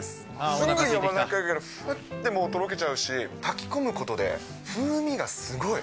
すんごい柔らかいからふってとろけちゃうし、炊き込むことで風味がすごい。